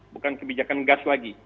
bukan kebijakan gas lagi